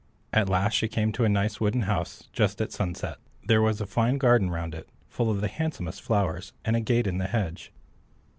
At last she came to a nice wooden house just at sunset. There was a fine garden round it, full of the handsomest flowers, and a gate in the hedge.